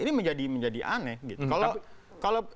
ini menjadi aneh gitu